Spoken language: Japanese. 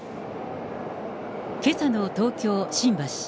けさの東京・新橋。